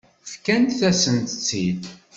Fkant-asent-tt-id.